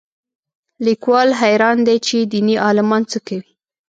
لیکوال حیران دی چې دیني عالمان څه کوي